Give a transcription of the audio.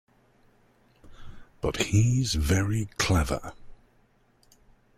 But he's very clever...